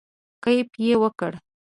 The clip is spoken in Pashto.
کیف یې وکړ.